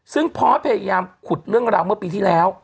ซึ่งพอสพยายามขุดเรื่องราวเมื่อปีที่แล้ว